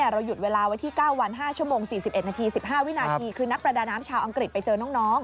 ๑๑นาที๑๕วินาทีคือนักประดาน้ำชาวอังกฤษไปเจอน้อง